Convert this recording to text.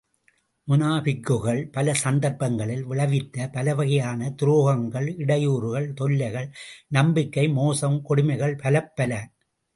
முனாபிக்குகள் பல சந்தர்ப்பங்களில் விளைவித்த பலவகையான துரோகங்கள், இடையூறுகள், தொல்லைகள், நம்பிக்கை மோசம், கொடுமைகள் பலப்பல.